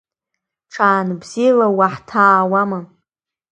Ҽааныбзиала уаҳҭаауама?!